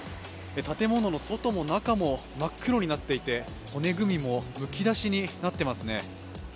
建物の外も中も真っ黒になっていて骨組みもむき出しになってますね。